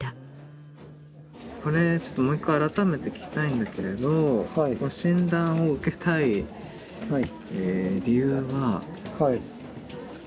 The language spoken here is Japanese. これちょっともう一回改めて聞きたいんだけれど診断を受けたい理由はどういうところで？